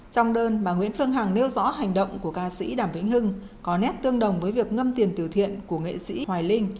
trong đơn bà nguyễn phương hằng nêu rõ hành động của ca sĩ đàm vĩnh hưng có nét tương đồng với việc ngâm tiền tử thiện của nghệ sĩ hoài linh